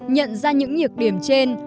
nhận ra những nhược điểm trên